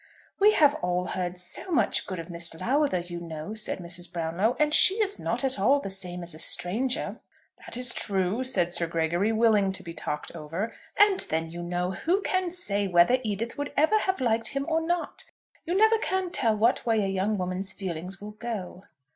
"We have all heard so much good of Miss Lowther, you know," said Mrs. Brownlow, "and she is not at all the same as a stranger." "That is true," said Sir Gregory, willing to be talked over. "And then, you know, who can say whether Edith would ever have liked him or not. You never can tell what way a young woman's feelings will go."